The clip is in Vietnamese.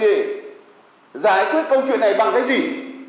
giải quyết công chuyện này bằng cái gì